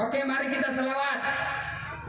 oke mari kita selawat